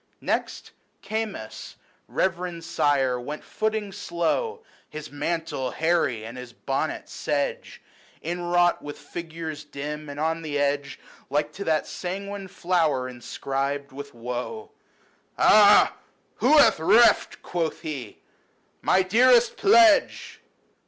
LYCIDAS. 23 Next, Camus, reverend sire, went footing slow, His mantle hairy, and his bonnet sedge, Inwrought with figures dim, and on the edge Like to that sanguine flower inscribed with woe. " Ah ! who hath reft," quoth he, " my dearest pledge